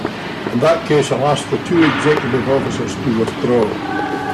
In that case I'll ask the two executive officers to withdraw.